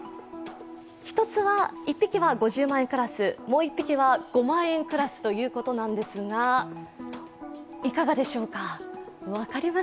１匹は５０万円クラス、もう１匹は５万円クラスなんですが、いかがでしょうか？